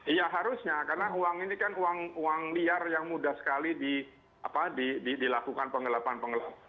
iya harusnya karena uang ini kan uang liar yang mudah sekali dilakukan penggelapan pengelapan